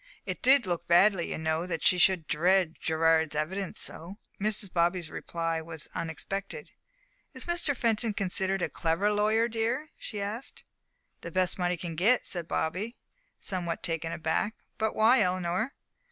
It did look badly, you know, that she should dread Gerard's evidence so." Mrs. Bobby's reply to this was unexpected. "Is Mr. Fenton considered a clever lawyer, dear?" she asked. "The best that money can get," said Bobby, somewhat taken aback. "But why, Eleanor?"